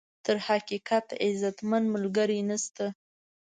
تر حقیقت، عزتمن ملګری نشته.